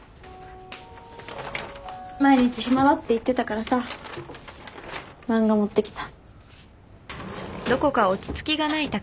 毎日暇だって言ってたからさ漫画持ってきた。